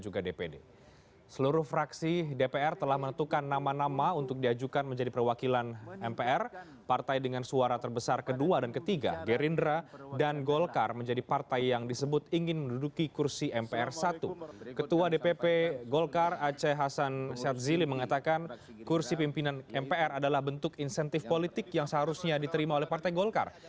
golkar aceh hasan serzili mengatakan kursi pimpinan mpr adalah bentuk insentif politik yang seharusnya diterima oleh partai golkar